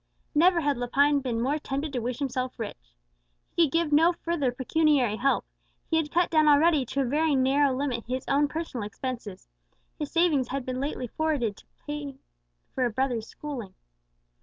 Never had Lepine been more tempted to wish himself rich. He could give no further pecuniary help; he had cut down already to a very narrow limit his own personal expenses; his savings had been lately forwarded to England to pay for a brother's schooling.